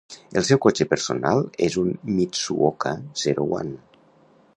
El seu cotxe personal és un Mitsuoka Zero One.